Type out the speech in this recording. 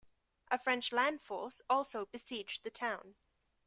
A French land force also besieged the town.